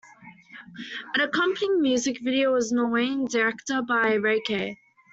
An accompanying music video was Norwegian director by Ray Kay.